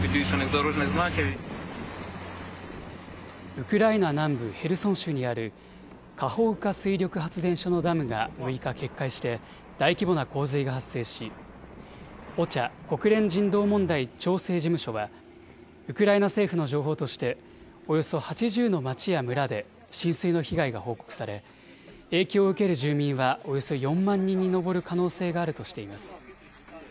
ウクライナ南部ヘルソン州にあるカホウカ水力発電所のダムが６日、決壊して、大規模な洪水が発生し、ＯＣＨＡ・国連人道問題調整事務所は、ウクライナ政府の情報として、およそ８０の町や村で浸水の被害が報告され、影響を受ける住民はおよそ４万人に上る可能性があるとしています。